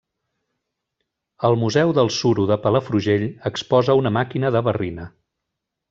El Museu del Suro de Palafrugell exposa una màquina de barrina.